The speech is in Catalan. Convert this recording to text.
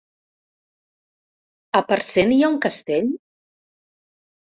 A Parcent hi ha un castell?